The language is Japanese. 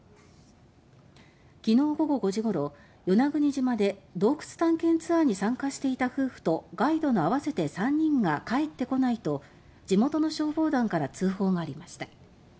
昨日午後５時ごろ与那国島で「洞窟探検ツアーに参加していた夫婦とガイドの合わせて３人が帰ってこない」と地元の消防団から通報がありました。